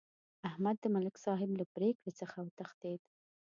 احمد د ملک صاحب له پرېکړې څخه وتښتېدا.